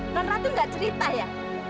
nonratu gak cerita ya